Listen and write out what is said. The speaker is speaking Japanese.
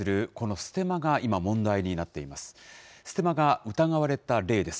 ステマが疑われた例です。